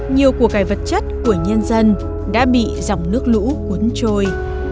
nhiều của cái vật chất của nhân dân đã bị dòng nước lũ cuốn trôi